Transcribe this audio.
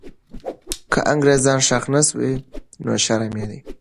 که انګریزان ښخ نه سوي، نو شرم یې دی.